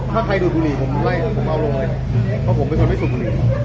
ถ้าใครดูดบุหรี่ผมไล่ผมเอาลงเลยเพราะผมเป็นคนไม่สูบบุหรี่